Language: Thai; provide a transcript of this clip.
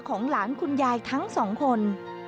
ของหลานคุณยายทั้งสองคน